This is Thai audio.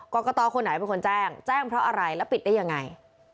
กรกตคนไหนเป็นคนแจ้งแจ้งเพราะอะไรแล้วปิดได้ยังไง